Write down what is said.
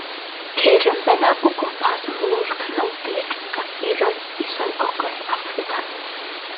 Ceir yn bennaf o gwmpas y Môr Canoldir a thiroedd isel Gogledd Affrica.